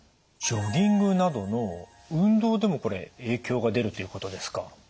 ジョギングなどの運動でもこれ影響が出るということですか？